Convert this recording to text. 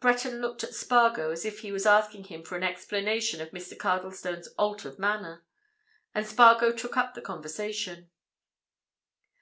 Breton looked at Spargo as if he was asking him for an explanation of Mr. Cardlestone's altered manner. And Spargo took up the conversation.